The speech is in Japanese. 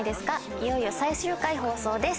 いよいよ最終回放送です。